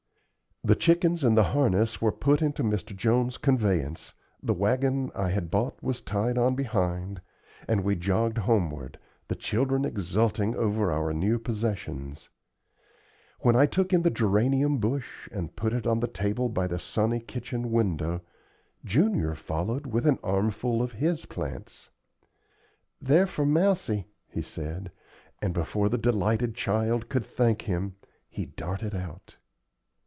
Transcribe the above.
The chickens and the harness were put into Mr. Jones's conveyance, the wagon I had bought was tied on behind, and we jogged homeward, the children exulting over our new possessions. When I took in the geranium bush and put it on the table by the sunny kitchen window, Junior followed with an armful of his plants. "They're for Mousie," he said; and before the delighted child could thank him, he darted out.